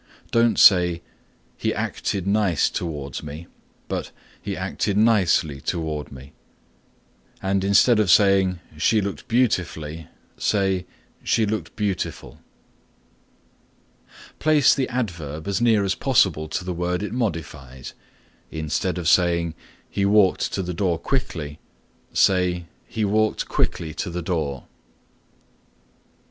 Don't say, "He acted nice towards me" but "He acted nicely toward me," and instead of saying "She looked beautifully" say "She looked beautiful." (8) Place the adverb as near as possible to the word it modifies. Instead of saying, "He walked to the door quickly," say "He walked quickly to the door."